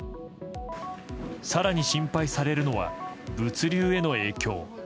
更に、心配されるのは物流への影響。